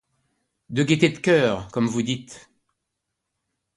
De gaîté de coeur, comme vous dites.